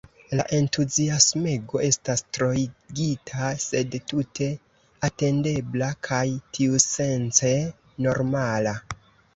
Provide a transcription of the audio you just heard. La entuziasmego estas troigita, sed tute atendebla kaj tiusence normala.